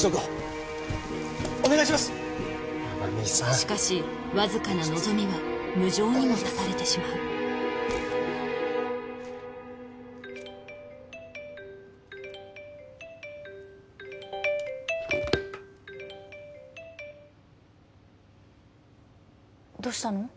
しかし僅かな望みは無情にも絶たれてしまうどうしたの？